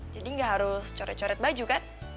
jadi gak harus coret coret baju kan